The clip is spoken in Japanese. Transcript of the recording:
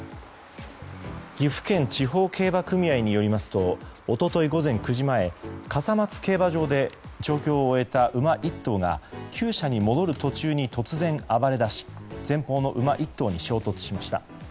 岐阜県地方競馬組合によりますと一昨日午前９時前笠松競馬場で調教を終えた馬１頭が厩舎に戻る途中に突然暴れ出し前方の馬１頭に衝突しました。